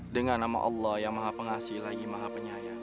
dengan nama allah ya maha pengasih ilahi maha penyayang